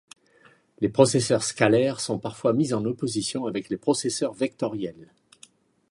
Les processeurs scalaires sont parfois mis en opposition avec les processeurs vectoriels.